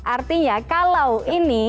artinya kalau ini